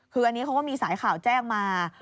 คืออันนี้เขาก็มีสายข่าวแจ้งมา